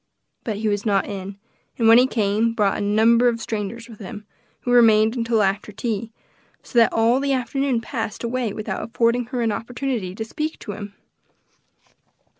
But he was not in, and when he came, brought a number of strangers with him, who remained until after tea; so that all the afternoon passed away without affording her an opportunity to speak to him.